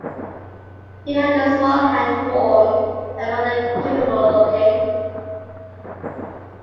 He had a small hand, warm, and rather capable-looking.